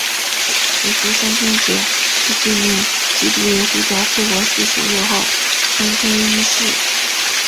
耶稣升天节是纪念基督耶稣在复活四十日后升天一事。